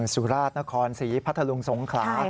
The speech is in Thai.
สุราษฎร์นครศรีพัฒนลงทรงขลา